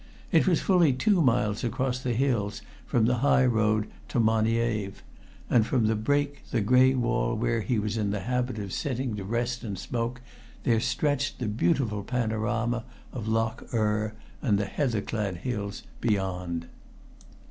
It was fully two miles across the hills from the high road to Moniaive, and from the break the gray wall where he was in the habit of sitting to rest and smoke, there stretched the beautiful panorama of Loch Urr and the heatherclad hills beyond.